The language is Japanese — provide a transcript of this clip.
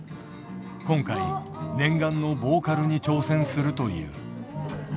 今回念願のボーカルに挑戦するという。